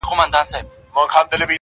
نمک خور دي له عمرونو د دبار یم-